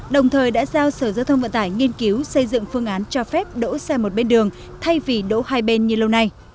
đồng thời đã giao sở giao thông vận tải nghiên cứu xây dựng phương án cho phép đỗ xe một bên đường thay vì đỗ hai bên như lâu nay